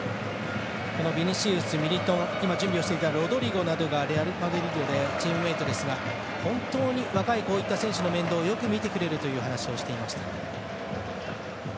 ビニシウス、ミリトンロドリゴなどがレアルマドリードでチームメートですが、本当に若い選手の面倒をよく見てくるという話をしていました。